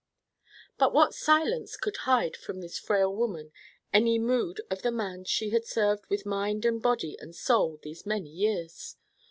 But what silence could hide from this frail woman any mood of the man she had served with mind and body and soul these many years?